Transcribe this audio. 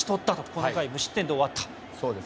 この回、無失点で終わったという。